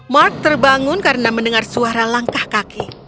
mark terbangun karena mendengar suara langkah kaki